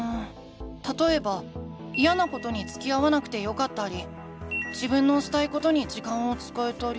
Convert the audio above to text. たとえばイヤなことにつきあわなくてよかったり自分のしたいことに時間を使えたり。